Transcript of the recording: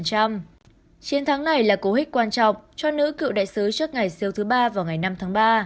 chiến thắng này là cố hích quan trọng cho nữ cựu đại sứ trước ngày siêu thứ ba vào ngày năm tháng ba